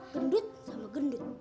gendut sama gendut